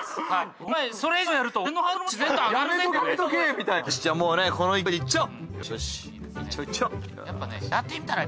お前それ以上やるとよしじゃあもうねこの勢いでいっちゃおう。